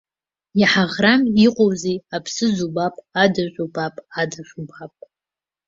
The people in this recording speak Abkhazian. Иҳаӷрам иҟоузеи, аԥсыӡ убап, адажә убап, адаӷь убап.